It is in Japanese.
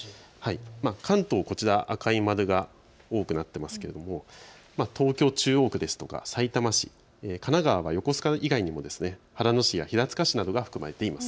関東、赤い丸が多くなっていますが東京中央区ですとか、さいたま市、神奈川は横須賀市以外にも秦野市や平塚市などが含まれています。